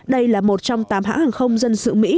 đây là một trong tám hãng hàng không dân sự mỹ